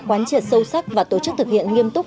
quán triệt sâu sắc và tổ chức thực hiện nghiêm túc